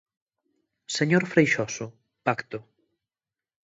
Señor Freixoso, pacto.